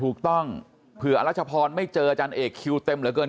ถูกต้องเผื่ออรัชพรไม่เจออาจารย์เอกคิวเต็มเหลือเกิน